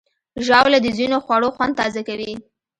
ژاوله د ځینو خوړو خوند تازه کوي.